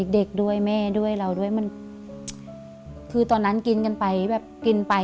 เด็กด้วยแม่ด้วยเราด้วยมันคือตอนนั้นกินกันไปแบบกินไป